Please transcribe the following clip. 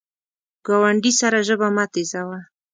ګاونډي سره ژبه مه تیزوه